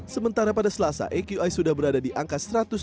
sementara pada selasa aqi sudah berada di angka satu ratus enam puluh